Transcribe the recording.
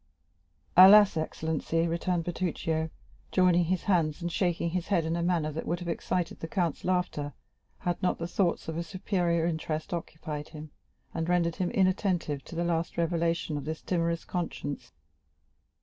"Alas! excellency," returned Bertuccio, joining his hands, and shaking his head in a manner that would have excited the count's laughter, had not thoughts of a superior interest occupied him, and rendered him attentive to the least revelation of this timorous conscience.